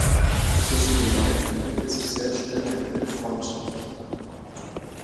Zwischen den beiden entwickelt sich sehr schnell eine dicke Freundschaft.